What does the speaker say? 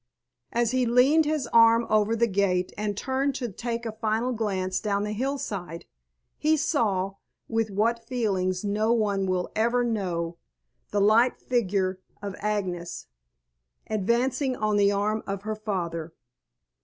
As he leaned his arm over the gate and turned to take a final glance down the hillside, he saw, with what feelings no one will ever know, the light figure of Agnes advancing on the arm of her father.